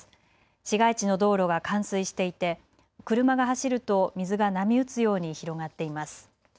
市街地の道路が冠水していて車が走ると水が波打つように広がっています。